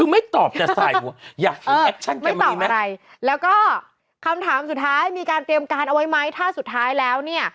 ไม่ตอบอะไร